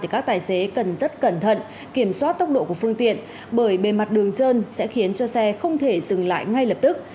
các tài xế cần rất cẩn thận kiểm soát tốc độ của phương tiện bởi bề mặt đường trơn sẽ khiến cho xe không thể dừng lại ngay lập tức